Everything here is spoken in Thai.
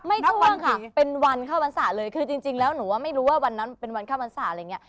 ไม่ช่วงค่ะเป็นวันเข้าวันศาสตร์เลยคือจริงหนูว่าไม่รู้ว่าวันนั้นเป็นวันเข้าวันศาสตร์ละอีกงี้